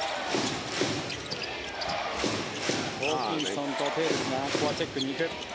ホーキンソンとテーブスがここはチェックに行く。